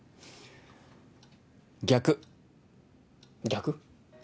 逆逆？